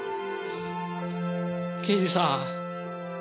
刑事さん。